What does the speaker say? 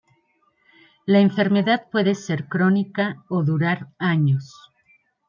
La enfermedad puede ser crónica o durar años.